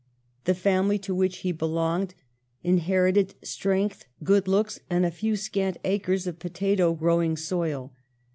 The family to which he be longed inherited strength, good looks, and a few scant acres of potato growing soil.